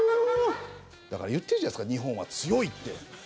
だから言ってるじゃないですか日本は強いって。